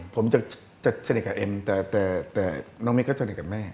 ผมจะเสน่ห์กับเอ็มแต่น้องมิดก็จะเสน่ห์กับแม่